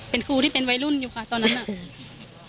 เป็นครูที่เป็นวัยรุ่นอยู่ค่ะตอนนั้นน่ะอืม